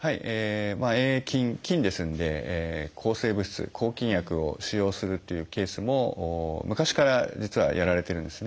「Ａ．ａ．菌」菌ですので抗生物質抗菌薬を使用するというケースも昔から実はやられてるんですね。